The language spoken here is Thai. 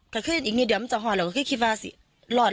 ก็คืออีกนิดเดี๋ยวมันจะห่วงแล้วก็คือคิดว่าสิรอด